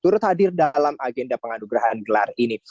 turut hadir dalam agenda penganugerahan gelar ini